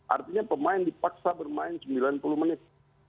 artinya pemain dipaksa bermain sembilan puluh menit